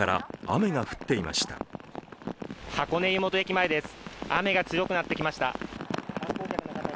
雨が強くなってきました。